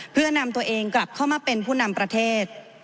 เพื่อนำตัวเองกลับเข้ามาเป็นผู้นำประเทศ